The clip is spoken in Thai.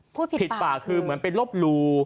พูดผิดป่าคือเหมือนเป็นลบหลู